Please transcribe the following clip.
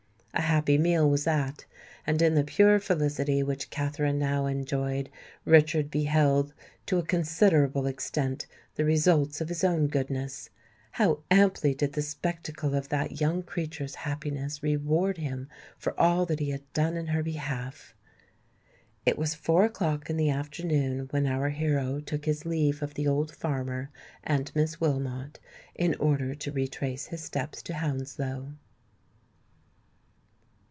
A happy meal was that; and in the pure felicity which Katherine now enjoyed, Richard beheld to a considerable extent the results of his own goodness. How amply did the spectacle of that young creature's happiness reward him for all that he had done in her behalf! It was four o'clock in the afternoon when our hero took his leave of the old farmer and Miss Wilmot, in order to retrace his steps to Hounslow.